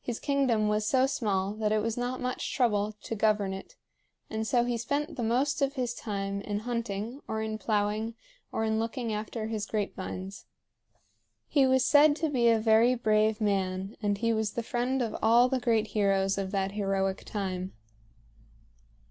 His kingdom was so small that it was not much trouble to govern it, and so he spent the most of his time in hunting or in plowing or in looking after his grape vines. He was said to be a very brave man, and he was the friend of all the great heroes of that heroic time.